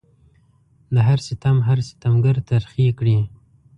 د هر ستم هر ستمګر ترخې کړي